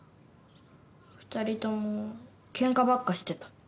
２人ともケンカばっかしてた。